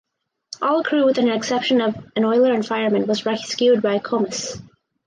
All crew with an exception of an oiler and fireman was rescued by "Comus".